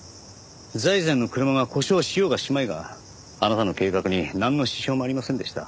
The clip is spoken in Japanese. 財前の車が故障しようがしまいがあなたの計画になんの支障もありませんでした。